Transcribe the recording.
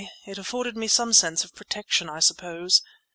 It afforded me some sense of protection, I suppose.